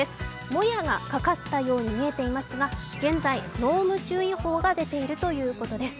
もやがかかったように見えていますが、現在、濃霧注意報が出ているということです。